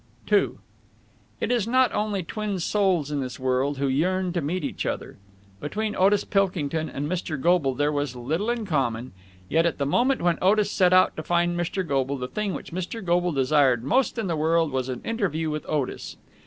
II It is not only twin souls in this world who yearn to meet each other. Between Otis Pilkington and Mr. Goble there was little in common, yet, at the moment when Otis set out to find Mr. Goble, the thing which Mr. Goble desired most in the world was an interview with Otis.